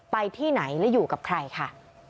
ไปที่ไหนและอยู่กับใครค่ะ